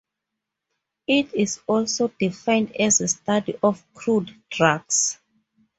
It is also defined as the study of crude drugs.